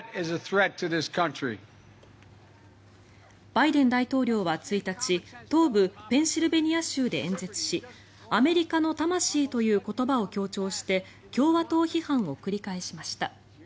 バイデン大統領は１日東部ペンシルベニア州で演説しアメリカの魂という言葉を強調して共和党批判を繰り返しました。